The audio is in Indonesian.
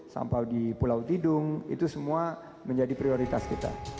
sampah di pulau tidung itu semua menjadi prioritas kita